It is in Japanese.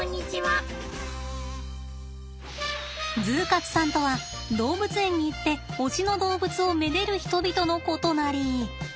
ＺＯＯ活さんとは動物園に行って推しの動物を愛でる人々のことなり。